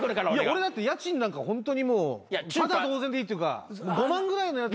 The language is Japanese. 俺家賃なんかホントにもうタダ同然でいいっていうか５万ぐらいのやつ。